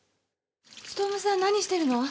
ツトムさん何してるの？